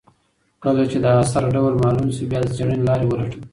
کله چي د اثر ډول معلوم سي بیا د څېړني لارې ولټوئ.